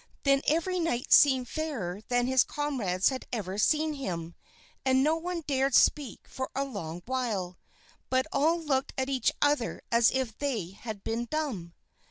Then every knight seemed fairer than his comrades had ever seen him, and no one dared speak for a long while, but all looked at each other as if they had been dumb.